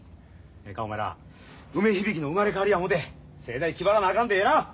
ええかお前ら梅響の生まれ変わりや思うてせいだい気張らなあかんでええな！